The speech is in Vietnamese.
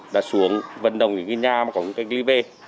đã xuống vận động những nhà mà có người cách ly về